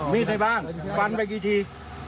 มีดไหนบ้างฟันไปกี่ที